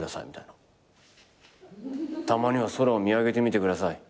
「たまには空を見上げてみてください」